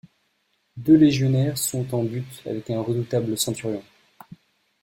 Deux légionnaires sont en butte avec un redoutable centurion.